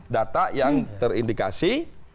data yang terindikasi